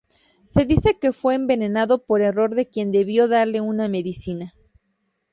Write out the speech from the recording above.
Se dice que fue envenenado por error de quien debió darle una medicina.